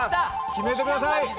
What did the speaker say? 決めてください。